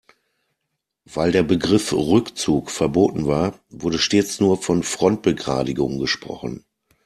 Weil der Begriff Rückzug verboten war, wurde stets nur von Frontbegradigung gesprochen.